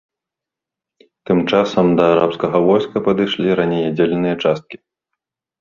Тым часам, да арабскага войска падышлі раней аддзеленыя часткі.